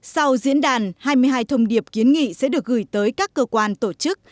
sau diễn đàn hai mươi hai thông điệp kiến nghị sẽ được gửi tới các cơ quan tổ chức